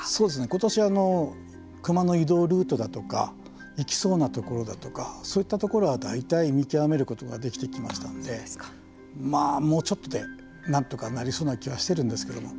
ことしクマの移動ルートとかそういったところは大体見極めることができてきましたのでまあ、もうちょっとでなんとかなりそうな気はしているんですけれども。